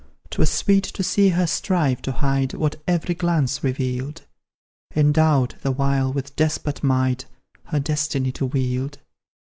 "'Twas sweet to see her strive to hide What every glance revealed; Endowed, the while, with despot might Her destiny to wield.